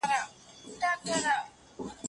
د انفجار انرژی د نړۍ د تودوخې سره برابره ده.